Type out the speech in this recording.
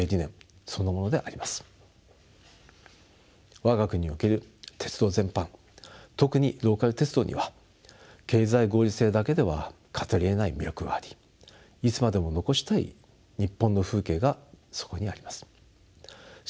我が国における鉄道全般特にローカル鉄道には経済合理性だけでは語りえない魅力がありいつまでも残したい日本の風景がそこにあります。